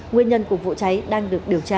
nguyên nhân của vụ cháy đang được điều tra